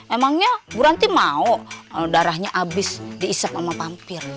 emangnya buranti mau darahnya habis diisep sama pampir